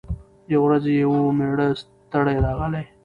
یوه ورځ یې وو مېړه ستړی راغلی